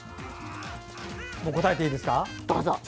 答えていいですか？